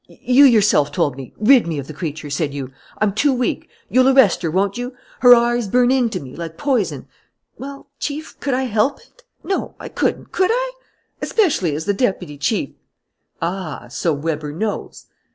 You yourself told me: 'Rid me of the creature!' said you. I'm too weak. You'll arrest her, won't you? Her eyes burn into me like poison! Well, Chief, could I help it? No, I couldn't, could I? Especially as the deputy chief " "Ah! So Weber knows?"